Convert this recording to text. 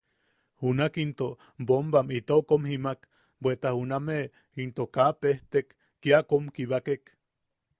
Junak into bombam itou kom jimaak bweta junameʼe into kaa pejtek, kia kom kibakek.